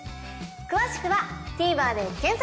詳しくは「ＴＶｅｒ」で検索！